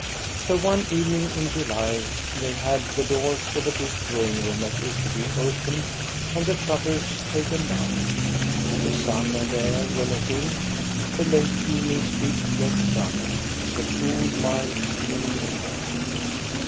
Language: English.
So one evening in July they had the doors of the big drawing room at Ekeby opened and the shutters taken down. The sun and air were let in, the late evening's big, red sun, the cool, mild, steaming air.